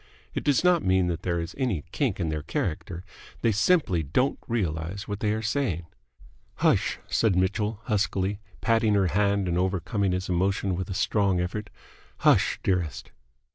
It does not mean that there is any kink in their character. They simply don't realize what they are saying. "Hush!" said Mitchell, huskily, patting her hand and overcoming his emotion with a strong effort. "Hush, dearest!"